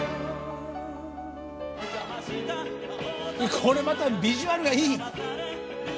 これまたビジュアルがいい！